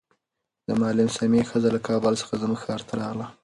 د معلم سمیع ښځه له کابل څخه زموږ ښار ته راغله.